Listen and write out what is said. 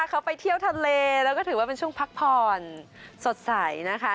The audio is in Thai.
เขาไปเที่ยวทะเลแล้วก็ถือว่าเป็นช่วงพักผ่อนสดใสนะคะ